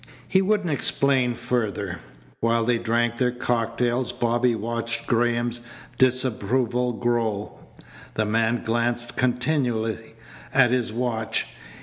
He wouldn't explain further. While they drank their cocktails Bobby watched Graham's disapproval grow. The man glanced continually at his watch.